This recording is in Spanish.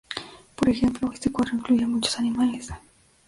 Por ejemplo, este cuadro incluye a muchos animales.